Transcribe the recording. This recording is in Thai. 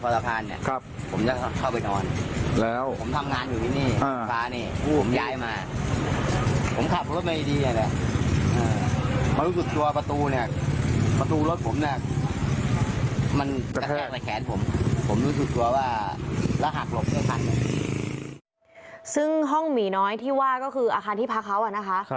ซึ่งห้องหมีน้อยที่ว่าก็คืออาคารที่พักเขานะคะ